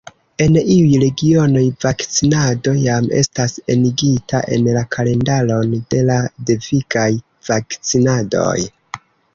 En iuj regionoj vakcinado jam estas enigita en la kalendaron de la devigaj vakcinadoj.